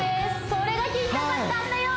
それが聞きたかったんだよ